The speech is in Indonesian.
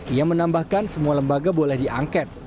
ia menambahkan semua lembaga boleh diangket